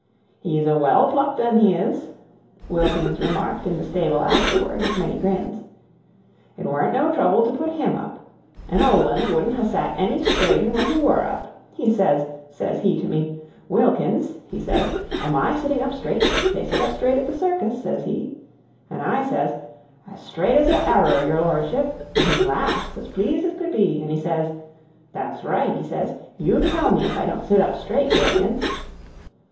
"He's a well plucked un, he is," Wilkins remarked in the stable afterward with many grins. "It weren't no trouble to put HIM up. An' a old un wouldn't ha' sat any straighter when he WERE up. He ses ses he to me, 'Wilkins,' he ses, 'am I sitting up straight? They sit up straight at the circus,' ses he. An' I ses, 'As straight as a arrer, your lordship!' an' he laughs, as pleased as could be, an' he ses, 'That's right,' he ses, 'you tell me if I don't sit up straight, Wilkins!'"